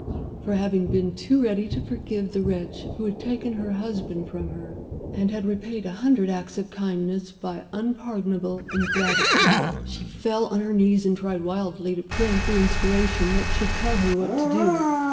For having been too ready to forgive the wretch who had taken her husband from her, and had repaid a hundred acts of kindness by unpardonable ingratitude. She fell on her knees; she tried wildly to pray for inspiration that should tell her what to do.